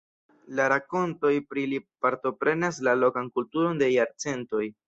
La rakontoj pri li partoprenas la lokan kulturon de jarcentoj.